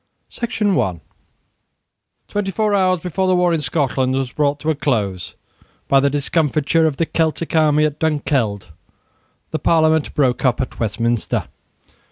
The Convocation prorogued TWENTY four hours before the war in Scotland was brought to a close by the discomfiture of the Celtic army at Dunkeld, the Parliament broke up at Westminster.